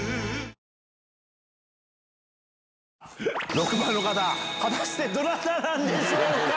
６番の方果たしてどなたなんでしょうか？